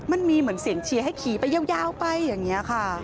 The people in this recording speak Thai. มันมีเหมือนเสียงเชียร์ให้ขี่ไปยาวไปอย่างนี้ค่ะ